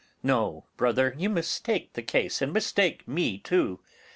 No, brother, you mistake the case, and mistake me too.